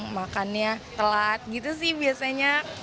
makannya telat gitu sih biasanya